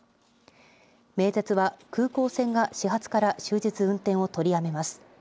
名鉄は空港線が始発から終日運転を取りやめます。